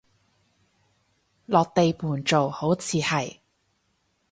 落地盤做，好似係